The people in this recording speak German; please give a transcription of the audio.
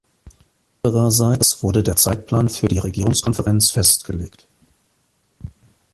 Andererseits wurde der Zeitplan für die Regierungskonferenz festgelegt.